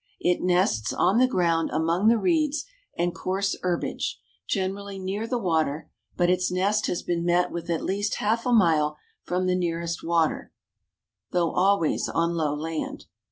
It nests on the ground among the reeds and coarse herbage, generally near the water, but its nest has been met with at least half a mile from the nearest water, though always on low land.